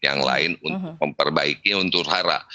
yang lain untuk memperbaiki unsur hara